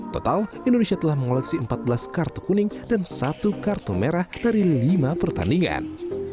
total indonesia telah mengoleksi empat belas kartu kuning dan satu kartu merah dari lima pertandingan